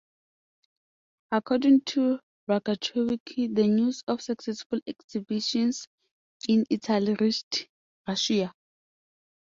According to Rogachevsky the news of successful exhibitions in Italy reached Russia.